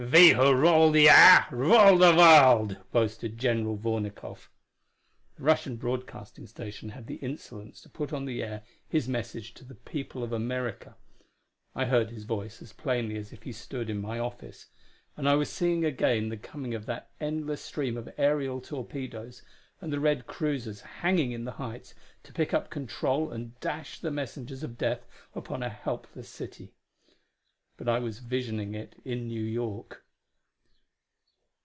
"We who rule the air rule the world!" boasted General Vornikoff. The Russian broadcasting station had the insolence to put on the air his message to the people of America. I heard his voice as plainly as if he stood in my office; and I was seeing again the coming of that endless stream of aerial torpedoes, and the red cruisers hanging in the heights to pick up control and dash the messengers of death upon a helpless city. But I was visioning it in New York.